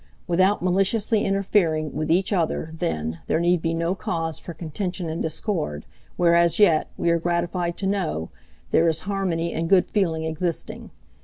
Without maliciously interfering with each other, then, there need be no cause for contention and discord, where as yet, we are gratified to know, there is harmony and good feeling existing.